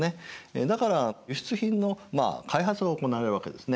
だから輸出品の開発が行われるわけですね。